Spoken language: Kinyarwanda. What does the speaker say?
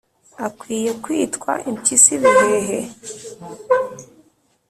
akwiye kwitwa impyisi bihehe,